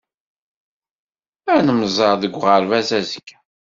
Ad nemmẓer deg uɣerbaz azekka.